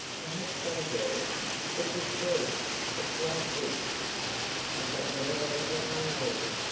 Perhaps some girls. But you see, it's like this, I've got nobody but my lady.